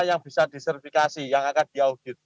yang bisa disertifikasi yang akan diaudit